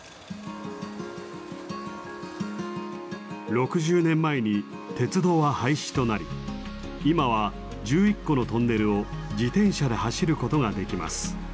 ６０年前に鉄道は廃止となり今は１１個のトンネルを自転車で走ることができます。